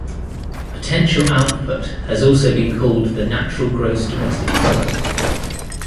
Potential output has also been called the natural gross domestic product.